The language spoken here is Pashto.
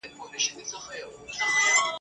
مطربه ما دي په نغمه کي غزل وپېیله !.